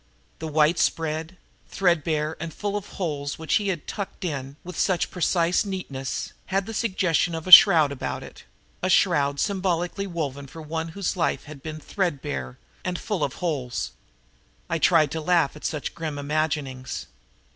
The white spread, threadbare and full of holes, which he had tucked in with such precise neatness, had the suggestion of a shroud about it a shroud symbolically woven for one whose life had been threadbare and full of holes. I tried to laugh at such grim imaginings.